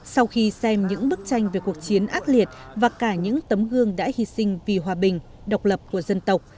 sau khi xem những bức tranh về cuộc chiến ác liệt và cả những tấm gương đã hy sinh vì hòa bình độc lập của dân tộc